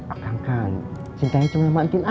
akang kan cintanya cuma sama antin aja